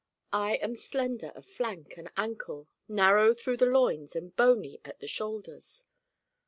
I am slender of flank and ankle, narrow through the loins and bony at the shoulders.